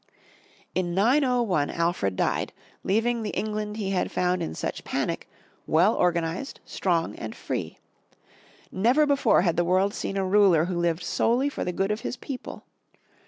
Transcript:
In 901 Alfred died, leaving the England he had found in such panic, well organized, strong and free. Never before had the world seen a ruler who lived solely for the good of his people.